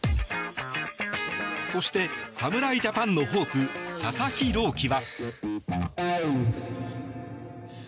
そして、侍ジャパンのホープ佐々木朗希は。